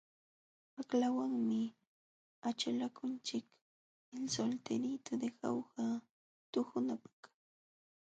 Waqlawanmi achalakunchik El solterito de jaujata tuhunapaq.